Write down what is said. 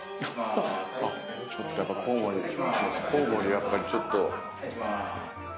やっぱちょっと。